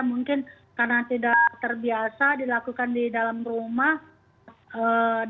mungkin karena tidak terbiasa dilakukan di dalam rumah